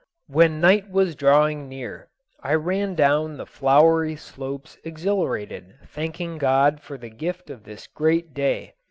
When night was drawing near, I ran down the flowery slopes exhilarated, thanking God for the gift of this great day.